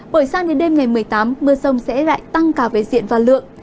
bởi sang đến đêm ngày một mươi tám mưa rông sẽ lại tăng cả về diện và lượng